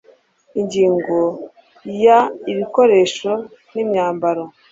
ingingo ya ibikoresho n imyambaro